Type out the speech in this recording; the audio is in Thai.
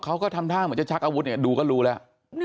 เขาก็ทำท่าเหมือนจะชักอาวุธเนี่ยดูก็รู้แล้ว